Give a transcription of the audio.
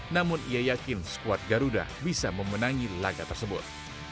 namun ia yakin skuad garuda bisa memenangi laga tersebut